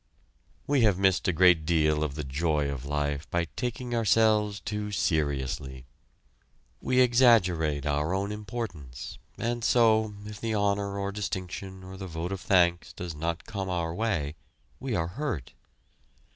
We have missed a great deal of the joy of life by taking ourselves too seriously. We exaggerate our own importance, and so if the honor or distinction or the vote of thanks does not come our way, we are hurt!